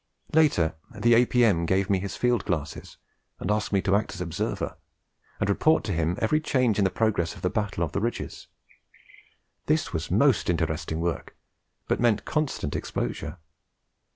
Later, the A.P.M. gave me his field glasses and asked me to act as observer and report to him every change in the progress of the battle of the ridges. This was most interesting work, but meant constant exposure.